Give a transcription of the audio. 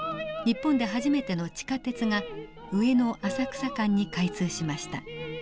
日本で初めての地下鉄が上野浅草間に開通しました。